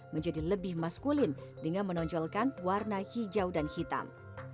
menjadi lebih maskulin dengan menonjolkan warna hijau dan hitam